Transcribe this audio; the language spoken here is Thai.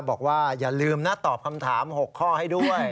บอกว่าอย่าลืมนะตอบคำถาม๖ข้อให้ด้วย